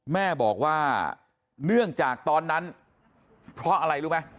แม่บอกว่าเนื่องจากตอนนั้นเพราะอะไรรู้ไหม